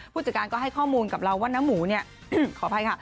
ผู้จัดการก็ให้ข้อมูลกับเราว่าน้าหมูเนี่ยขออภัยค่ะ